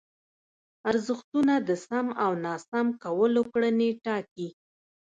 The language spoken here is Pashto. ارزښتونه د سم او ناسم کولو کړنې ټاکي.